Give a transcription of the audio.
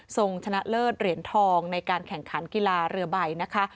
ชนะเลิศเหรียญทองในการแข่งขันกีฬาเรือใบนะคะ